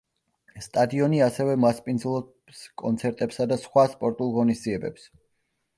სტადიონი ასევე მასპინძლობს კონცერტებსა და სხვა სპორტულ ღონისძიებებს.